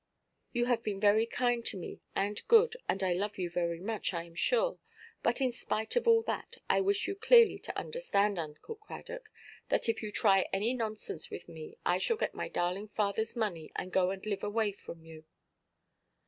You have been very kind to me and good, and I love you very much, I am sure. But in spite of all that, I wish you clearly to understand, Uncle Cradock, that if you try any nonsense with me, I shall get my darling fatherʼs money, and go and live away from you."